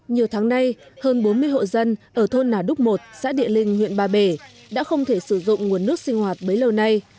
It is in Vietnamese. nhiều tháng nay hơn bốn mươi hộ dân ở thôn nà đúc một xã địa linh huyện ba bể đã không thể sử dụng nguồn nước sinh hoạt bấy lâu nay